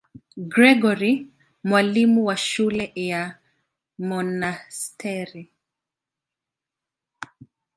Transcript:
Gregori, mwalimu wa shule ya monasteri.